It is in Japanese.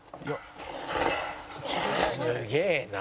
「すげえな」